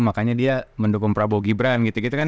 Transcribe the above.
makanya dia mendukung prabowo gibran gitu gitu kan